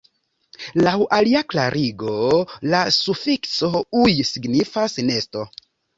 Laŭ alia klarigo la sufikso -uj- signifas "nesto".